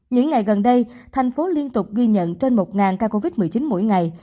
những ngày gần đây thành phố liên tục ghi nhận trên một ca covid một mươi chín mỗi ngày